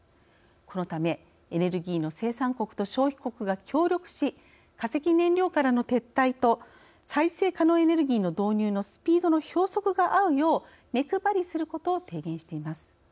このため、エネルギーの生産国と消費国が協力し化石燃料からの撤退と再生可能エネルギーの導入のスピードのひょうそくが合うよう目配りすることを提言しています。